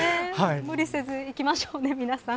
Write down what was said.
無理せずいきましょうね皆さん。